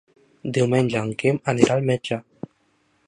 Diumenge en Quim anirà al metge.